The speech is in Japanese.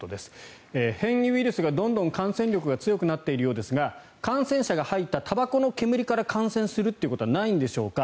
変異ウイルスがどんどん感染力が強くなっているようですが感染者が吐いたたばこの煙から感染するということはないんでしょうか？